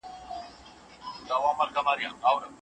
هغه ښځه چې زده کړه لري، ټولنه پیاوړې کوي.